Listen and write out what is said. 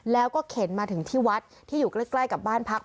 แล้วก็เข็นมาถึงที่วัดที่อยู่ใกล้กับบ้านพัก